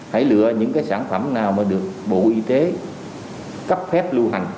hãy lựa những cái sản phẩm nào mà được bộ y tế cấp phép lưu hành